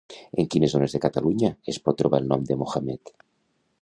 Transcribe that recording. En quines zones de Catalunya es pot trobar el nom de Mohammed?